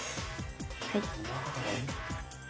はい。